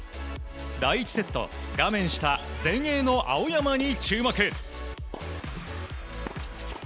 第１セット画面下、前衛の青山に注目。